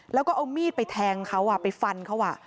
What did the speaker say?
แล้วก็เอามีดไปแทงเขาไปฟันเขา